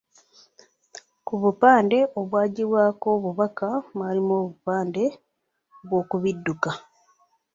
Ku bupande obwaggyibwako obubaka mwalimu obupande bw’oku bidduka.